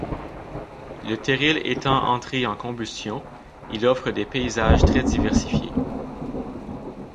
Le terril étant entré en combustion, il offre des paysages très diversifiés.